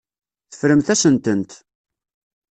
Teffremt-asen-tent.